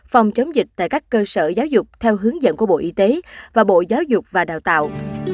phòng chống dịch tại các cơ sở giáo dục theo hướng dẫn của bộ y tế và bộ giáo dục và đào tạo